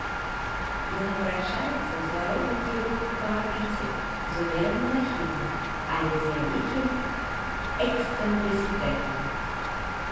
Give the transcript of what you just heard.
Ён абарачаецца ў зваротным кірунку па арбіце з умераным нахілам, але з вялікім эксцэнтрысітэтам.